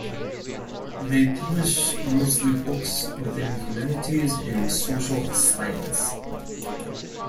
They publish mostly books within humanities and social science.